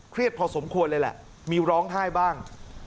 พอสมควรเลยแหละมีร้องไห้บ้าง